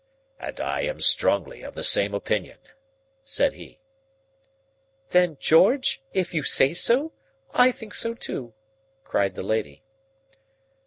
"And I am strongly of the same opinion," said he. "Then, George, if you say so, I think so too," cried the lady.